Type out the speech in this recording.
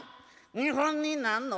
２本になんの？